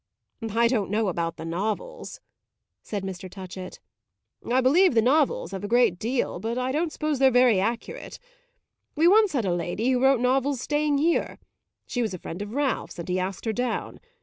"I don't know about the novels," said Mr. Touchett. "I believe the novels have a great deal but I don't suppose they're very accurate. We once had a lady who wrote novels staying here; she was a friend of Ralph's and he asked her down.